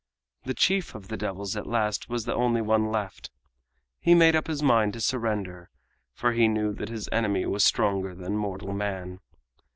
The chief of the devils at last was the only one left. He made up his mind to surrender, for he knew that his enemy was stronger than mortal man.